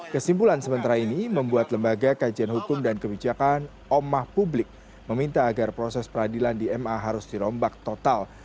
kesimpulan sementara ini membuat lembaga kajian hukum dan kebijakan omah publik meminta agar proses peradilan di ma harus dirombak total